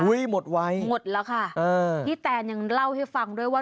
หมดไว้หมดแล้วค่ะเออพี่แตนยังเล่าให้ฟังด้วยว่า